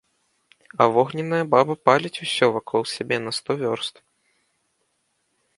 А вогненная баба паліць ўсё вакол сябе на сто вёрст.